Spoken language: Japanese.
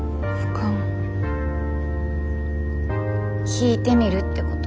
引いてみるってこと。